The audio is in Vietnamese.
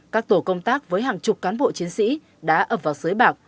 các tổ công tác với hàng chục cán bộ chiến sĩ đã ập vào sới bạc